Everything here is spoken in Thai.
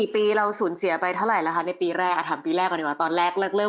๔ปีเราสูญเสียไปเท่าไหร่แล้วคะในปีแรกถามปีแรกก่อนดีกว่าตอนแรกเลิก